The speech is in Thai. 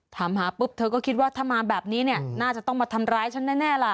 ถามหาปุ๊บเธอก็คิดว่าถ้ามาแบบนี้เนี่ยน่าจะต้องมาทำร้ายฉันแน่ล่ะ